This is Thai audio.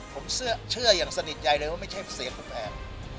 ผมเชื่ออย่างสนิทใจเลยว่าไม่ใช่เสียงคุณแอน